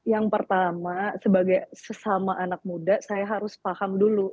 yang pertama sebagai sesama anak muda saya harus paham dulu